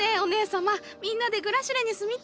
みんなでグラシレに住みたい！